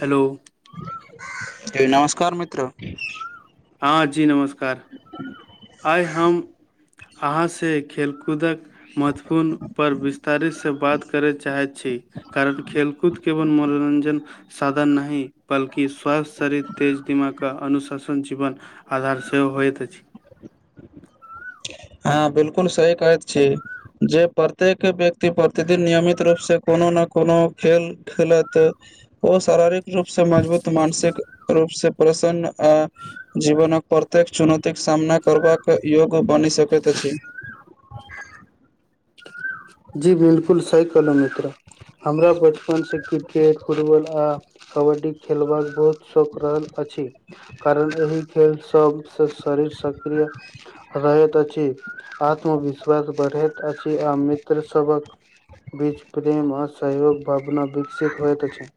Hello नमस्कार मित्र हँ जी नमस्कार आइ हम अहाँ सँ खेलकूदक महत्वपूर्ण पर विस्तारित सँ बात करय चाहैत छी कारण खेलकूदके मनोरंजन साधन नहि बल्कि स्वस्थ शरीर तेज दिमाग क अनुशासन जी वन आधार सेहो होइत अछि हँ बिलकुल सही कहैत छी जे प्रत्येक व्यक्ति प्रतिदिन नियमित रूप से को कोनो ने कोनो खेल खेलत ओ शारीरिक रूप से मजबूत मानसिक रूप से प्रसन्न आ जीवनक प्रत्येक चुनौती के सामना करबाक योग बनि सक त छी जी बिलकुल सही कहलौ मित्र हमरा बचपन से क्रिकेट फुटबॉल आ कबड्डी खेलबाक बहुत शौक रहल अछि छी कारण एहि खेल सबसँ शरीर सक्रिय रहैत अछि आत्मविश्वास बढ़ैत अछि आ मित्र सबहक बीच प्रेम आ सहयोग भावना विकसित होइत छै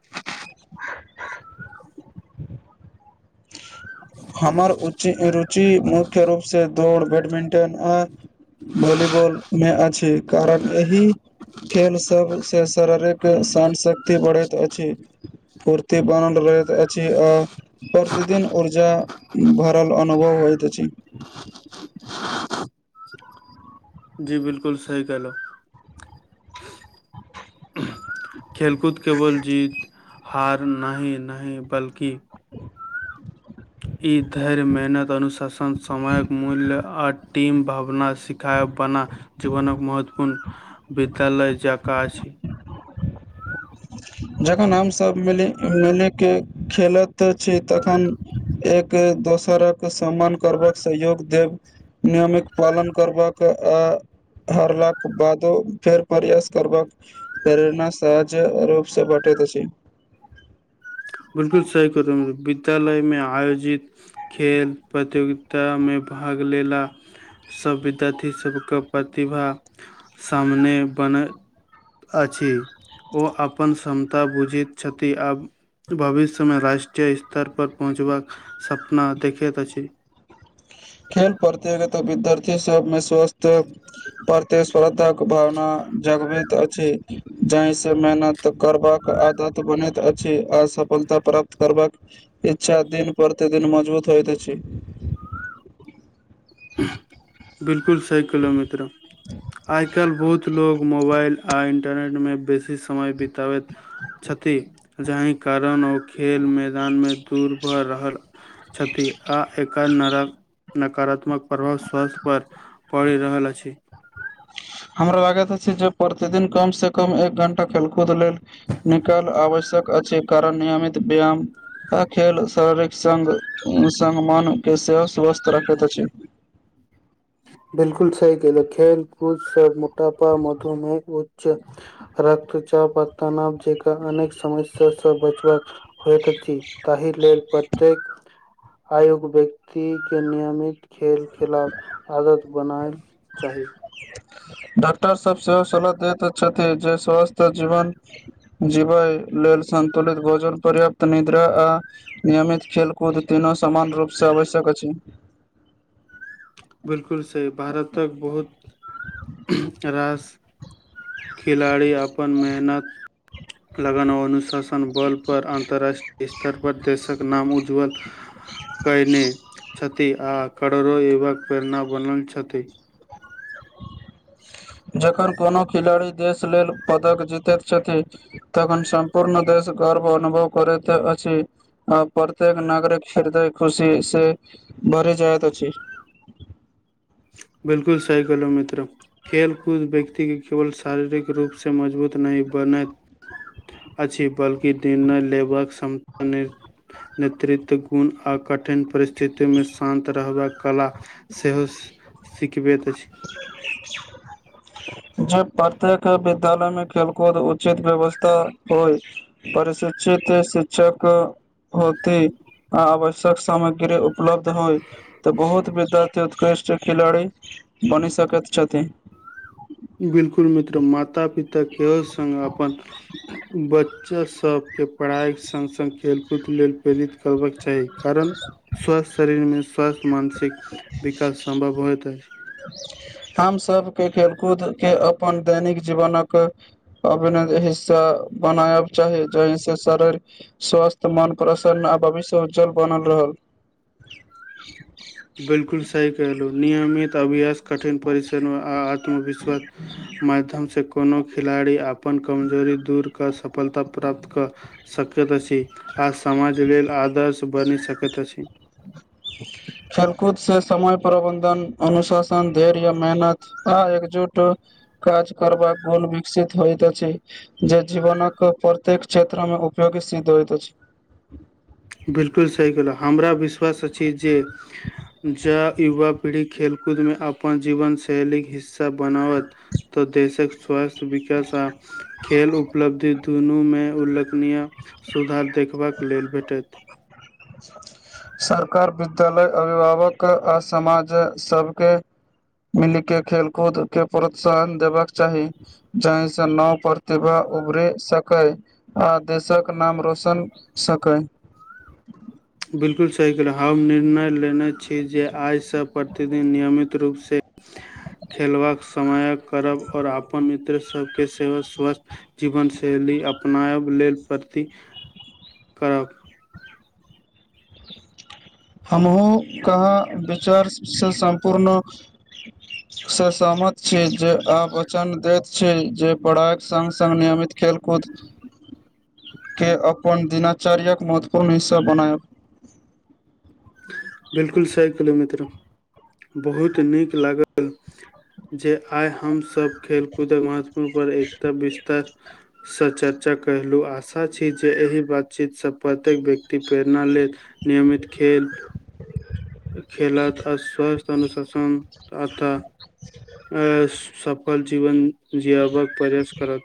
हमर उच्च रुचि मुख्य रूपसँ दौड़ बैडमिंटन आ भॉलीबॉल मे अछि कारण एहि खेल सभ सँ शारीरिक सान शक्ति बढ़ैत अछि फूर्ति बनल रहल अछि आ प्रत् तिदिन ऊर्जा भरल अनुभव होइत अछि जी बिलकुल सही कहलहु खेलकूद केवल जीत हार नहि नहि बल्कि ई धैर्य मेहनत अनुशासन समयक मूल्य आ टीम भावना सिखाय बना जीवनक महत्वपूर्ण विद्यालय जका अछि [inaudible] [inaudible] जखन हमसभ मिली मिलिके खेलैत छी तखन एक दोसरक सम्मान करबाक सहयोग देब नियमक पालन करबाक आ हारलाक बादो फेर प्रयास करबाक प्रेरणा सह हज रूपसँ बटैत अछि सा विद्यालय मे आयोजित खेल प्रतियोगिता मे भाग लेला सब विद्यार्थी सबके प्रतिभा सामने बन अछि ओ अपन क्षमता बुझैत छथि आब भविष्य मे राष्ट्रीय स्तर पर पहुँचबाक सपना देखैत अछि खेल प्रतियोगिता विद्यार्थी सभमे स्वस्थ प्रतिस्पर्धा भावना जगबैत अछि जाहि सँ मेहनत करबाक आदत बनैत अछि आ सफलता प्राप्त करबाक इच्छा दिन प्रतिदिन मजबूत होइत अछि [inaudible] बिलकुल सही कहलौं मित्र आइ काल्हि बहुत लोग मोबाइल आ इन्टरनेट मे बेसी समय बितबैत छथि जाहि कारण ओ खेल मैदान मे दूर भऽ रहल छथि आ एकर नरक नकारात्मक प्रभाव स्वथ पर पड़ि रहल अछि हमरा लागैत अछि जे प्रतिदिन कम से कम एक घं्टा खेलकूद लेल निकल आबै छै अछि कारण नियमित व्यायाम ह खेल शारीरिक सङ सङ्ग मोन सेहो स्वस्थ रखैत अछि बिलकुल सही कहेलक खेल कूद मोटापा मधुमेह उच्च रक्तचाप आ तनाव जकाँ अनेक समस्या से बचबाका होइत अछि ताहि लेल प्रत्येक आयुक व्यक्तिे के नियमित खेल खिलाफ आदत बनाएल चाही डॉक्टर सब सेहो सलाह दैत छथि जे स्वस्थ जीवन जीवय लेल सन्तुलित भोजन पर्याप्त निद्रा आ नियमित खेलकूद तीनू सामान्य रूप सँ आवश्यक अछि क छै [inaudible] बिलकुल से भारतक बहुत राज खिलाड़ी आपन मेहनत लगन अनुशासन बल पर अन्तर्रराष्ट्रीय स्तर पर देशक नाम उज्ज्वल कैने छथि आ कर एव प्रेरना बनल छथि जखन कोनो खिलाड़ी देश लेल पदक जीतैत छथिन तखन सम्पूर्ण देश देश गर्व अनुभव करत अछि आ प्रत्येक नगरक ह्रदय खुशी से भरि जाइत छै [inaudible] बिलकुल साइकलो मित्र खेले कूद व्यक्त के केवल शारीरिक रूपसँ मजबूत नहि बनैत अछि बल्कि निर्णय लेबाक क्षमता नेतृत्व गुण आ कठिन परिस्थिति मे शान्त रहबाक कला सेहो [inaudible] [inaudible] [inaudible] ज प्रतेक विद्यालय में खेलकूद उचित व्यवस्था होइ परशिक्षित त शिक्षक होती आ आवश्यक सामग्री उपलब्ध होइ तऽ बहुत विद्यार्थी उत्कृष्ट राष्ट्री खेलाड़ी बनि सकैत छथि। ऽ केह संगङ्ग अपन बच्चास सभके पढ़ाइ संगङ्ग सङ् खेलकूदके लेल प्रेरित करबाकक चाही कारण स्वासस्थ शरीरमे स्वास्थ मानसिक विकास सम्भव होइत अछि हम सभके खेलकूद के अपन दैनिक जीवनक अभ हिस्सा बनाया चाही जहिसँ शारीरिक स्वास्थ्य मन प्र प्रसन्न आ भविष्य उज्जल बनल होल [unintelligible] बिल्कुल सही कहलहुँ नियमित अभ्यास कठिन परि्ष्रणमे आ आत्मविश्वास माध्यमसँ कोनो खिलाड़ी अपन कमजोरी दूर कऽ सफलता प्र्त प्राप्त कऽ सकैत अछि आ समाज लेल आदर्श बनि सकैत अछि [unintelligible] खेलकूद से समय प्रबंधन अनुशासन धैर्य या मेहनत आ एकजुट काज करबाक गुण विकसित होइत अछि जे जीवनक प्रत्येक क्षेत्र मे उपयोी सिद्ध द् होइत छै बिलकुल सही कहहु हमरा विश्वास अछि जे जँ युवा पीढ़ी खेलकूदमे अपन जीवन शैलीक हिस्सा बनाबत त देशक स्वास्थ्य विकास आ खेल उपलब्धि दुनूमे उल्लेखनीय सुधार देखबाक लेल भेटत [inaudible] सरकार विद्यालय अभिभावक आ समाज सबके मिलि के खेलकूद के प्रोत्साहन देबाक चाही जाहिसँ नव प्रतिभा उभरि सकै आ देशक नाम रोशन सकै ह हम निर्णय लेने छी जे आइसँ प्रतिदिन नियमित रूपसँ खेलबाक समय करब आओर अपन मित्र सभके सेव स्वस्थ जीवनशैली अपनायब लेल प्रति करब हमहूँ कहाँ विचारसँ सम्पूर्ण स सहमत छी जे आ वचन दैत छी जे पढ़ाइक संगङ्ग सङ्ग नियमित खेल कत [inaudible] के अपन दिनाचर्य्यक महत्वपूर्ण हिस्सा बनायब बिलकुल सह किलो म त्र बहुत नीक लागल जे आइ हमसभ खेलकूदमे पर एकता विस्तार सँ चर्चा कलहुँ आशा छी जे एहि बातचीतसँ प्रत्येक व्यक्ति प्रेरणा लेल नियमित खेल खेल आ स्वस्थ अनुशासन अथ अ सब फल जीवन जियाबाक प्रयास करत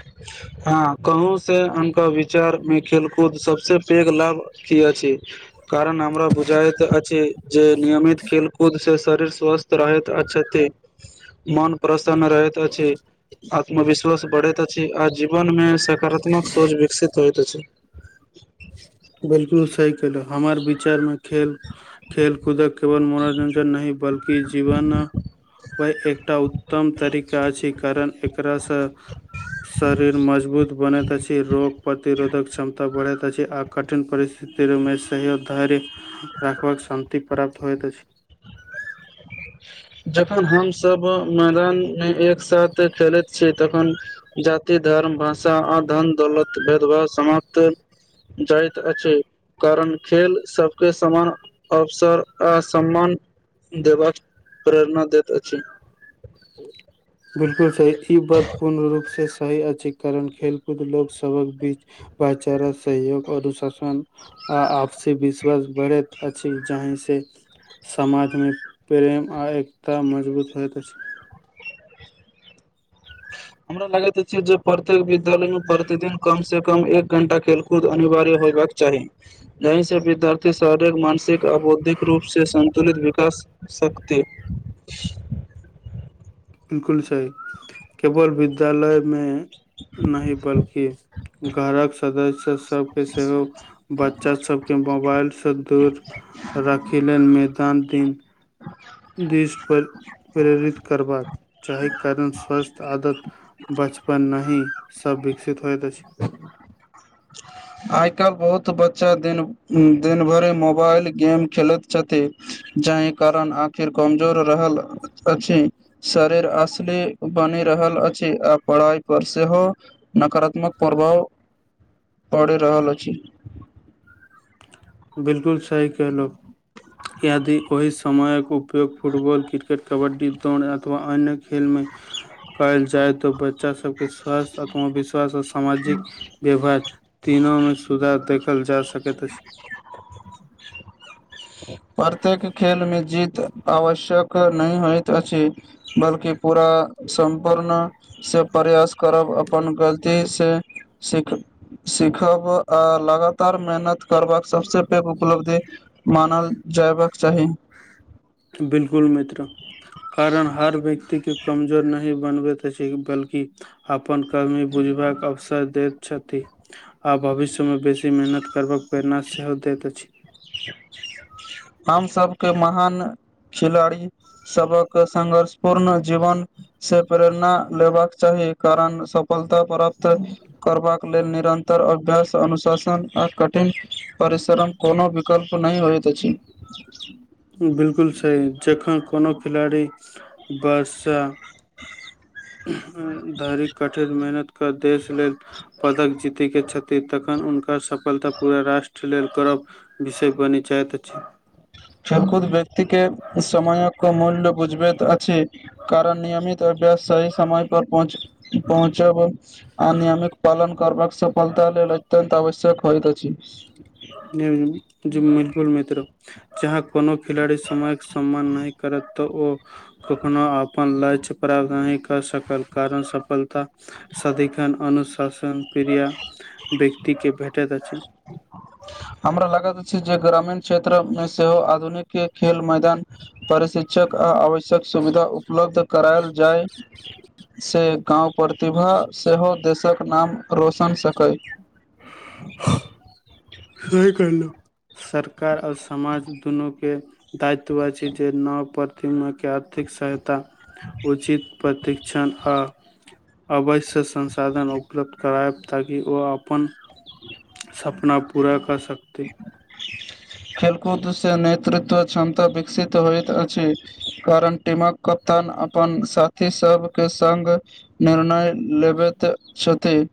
[inaudible] हँ कहूँसँ हुनका विचारमे खेलकूद सभसँ पैघ लाभ की अछि कारण हमरा बुझाइत अछि जे नियमित खेलकूद से शरीर स्वस्थ रहत अच्छ्षति मन प्रस रहैत छै आत्मविश्वास बढ़े अछि आ जीवन मे सकारात्मक सोच विकसित होइत अछि बिलकुल सही केलहु हमर विचारमे खेल खेलकूदक केवल मनोरञ्जन नहि बल्कि जीवन ओहि एकटा उत्तम तरीका अछि छै कारण एकासँ शरीर मजबूत बनैत अछि रोग प्रतिरोधक क्षमता बढ़ैत अछि आ कठिन परिस्थितिमे सेहो धैर्य राखबाक शान्तति प्राप्त होइत अछि। उऊ जखन हमसभ मैदान मे एक साथ खेलैत छी तखन जाति धर्म भाषा आ धन दौलत भेदभाव समाप्त जाइत अछि कारण खेल सबके समान अवसर आ सम्मान देबाक प्रेरणा दैत अछि ह बिलकुल सही ई बात पूर्ण रूप से सही अछि करण खेलकूद लोकसभक बीच भाईचारा सहयोग अनुशासन आ आपसी विश्वास बढ़ैत अछि जाहि से समाजमे प्रेम आ एकता मजबूत होइत अछि हमरा लागैत अछि जे प्रत्येक विद्यालय में प्रतिदिन कम से कम एक घंटा खेलकूद अनिवार्य होयबाक चाही जहिसँ विद्यार्थी शारीरिक मानसिक आ बौद्धिक रूपसँ श तुलित विकास सकत बिलकुल छै केवल विद्यालयमे नहि बल्कि घरक सदस्य सबके सेहो बच बच्चा सबके मोबाइलसँ दूर राखै लेल मैदान दिन दिस पर प्रेरित करबाक जाहिके कारण स्वस्थ आदत बचपन नहि सभ विकसित होइत अछि ह आइ काल् बहुत बच्चा दिन दिन भर मोबाइल गेम खेलैत छथि जाहि कारण आखिर कमजोर रहल अछि शरीर असली बनि रहल अछि आ पढ़ाइ पर सेहो नकारात्मक प्रभाव [inaudible] पढ़ि रहल अछि बिलकुल सही कहलो यदि ओहि समयक उपयोग फुटबॉल क्रिकेट कबड्डी दौड़ अथवा अन्य खेलमे [inaudible] कयल जाय तऽ बच्चा सभके स्वास्थ्य आत्मविश्वास आ सामाजिक व्यवहार तीन मे सुधार देखल जा सक छै प्रत्येक खेल मे जीत आवश्यक नहि होइत अछि बल्कि पूरा सम्पूर्णसँ प्रयास करब अपन गलतीसँ सीख सिखब अ लगातार मेहनत करबाक सभसँ पैघ उपलब्धि मानल जएबाक बिलकुल मित्र कारण हर व्यक्त के कमजोर नहि बनबैत अछि बल्कि अपन कमी बुझबाक अवसर दैत छथि। आ भविष्य मे बेसी मेहनत करबाक प्रेरणा सेहो दैत अछि। हमसभके महान खिलाड़ी सबक संघर्ष पूर्ण जीवन से प्रेरणा लेबाक चाही कारण सफलता प्राप्त करबाक लेल निरन्तर अभ्यास अनुशासन आ कठिन परिश्रम कोनो भी बिलकुल सही जखन कोनो खिलाड़ी वर्षा [inaudible] धरिक कठिन मेहनत कऽ देश लेल पदक जीतके छथि तखन हुनक सफलता पूरा राष्ट्र लेल करब विषय बनी चाहैत अछि खेलकूद व्यक्ति के समाय मूल्य बुझबैत अछि कारण नियमित अभ्यास सही समय पर पहुँच पहुँच आ नियमित पालन करबाक सफलता लेल अत्यत आवश्यक होइत अछि जी बिलकुल मित्र जहाँ कोनो खिलाड़ी समयक सम्मान नहि करत तऽ ओ कखनो अपन लक्ष्य प्राप्त नहि कऽ सकल कारण सफलता सधिखन अनुशासन प्रिय व्यक्ति के भेटैत रह छैय [unintelligible] हमरा लागैत अछि जे ग्रामीण क्षेत्रमे सेहो आधुनिक के खेल मैदान प्रशिक्षक आ आवश्यक सुविधा उपलब्ध करायल जाय से गाव प्रतिभा सेहो देशक नाम रोशन सकय सही कहलौ सरकार ओर समाज दुनू के दायित्व अछि जे नव प्रतिमा के आर्थिक सहायता उचित प्रतिक्षण आ अवश्य संसाधन उपलब्ध करायब ताकि ओ आपन सपना पूरा कर सकतै। खेलकूदसँ नेतृत्व क्षमता विकसित होइतइत अछि। कारण टीमक कप्तान आपन साथी सबके संग निर्णय लेबै तऽ छथि्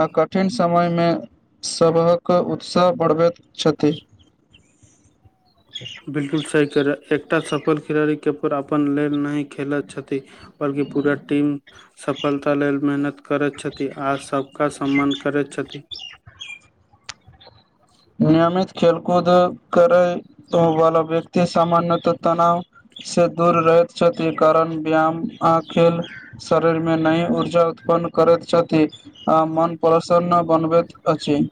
आ कठिन समय मे सभक उत्साह बढ़बैत छथि बिलकुल सी करै एकटा सफल खिलाड़ी के अपन लेल नहि खेलैत छथि बल्कि पूरा टीम सफलता लेल मेहनत करैत छथि आ सबका सम्मान करैत छथि नियमित खेलकूद करै वाला व्यक्ति सामान्यतः तनाव से दूर रहैत छथि ई कारण व्यायाम आ खेल शरीरमे न‌ई उर्जा उत् पन्न करैत छथि आ मोन प्रसन्न बनबैत अछि